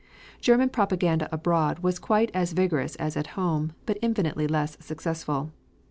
German propaganda abroad was quite as vigorous as at home, but infinitely less successful.